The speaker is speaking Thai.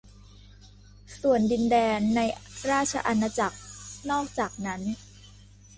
ส่วนดินแดนในราชอาณาจักรนอกจากนั้น